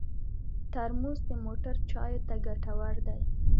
ترموز د موټر چایو ته ګټور دی.